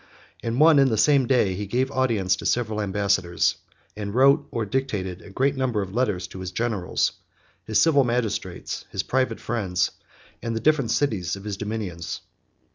In one and the same day, he gave audience to several ambassadors, and wrote, or dictated, a great number of letters to his generals, his civil magistrates, his private friends, and the different cities of his dominions.